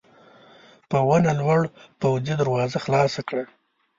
په ونه لوړ پوځي دروازه خلاصه کړه.